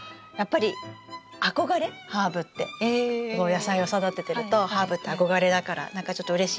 野菜を育ててるとハーブって憧れだからなんかちょっとうれしいです。